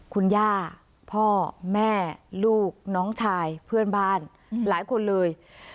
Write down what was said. คุณย่าพ่อแม่ลูกน้องชายเพื่อนบ้านหลายคนเลย